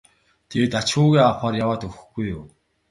тэгээд ач хүүгээ авахаар яваад өгөхгүй юу.